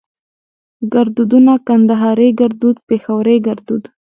ګړدودونه کندهاري ګړدود پېښوري ګړدود